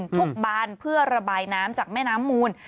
บานเพื่อระบายน้ำจากแม่น้ำมูล